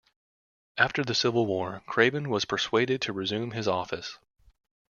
After the Civil War, Craven was persuaded to resume his office.